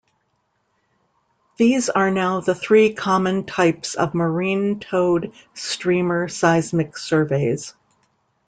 These are now the three common types of marine towed streamer seismic surveys.